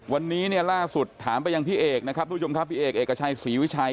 วันนี้เนี่ยล่าสุดถามไปยังพี่เอกนะครับทุกผู้ชมครับพี่เอกเอกชัยศรีวิชัย